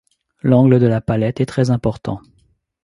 L’angle de la palette est très important.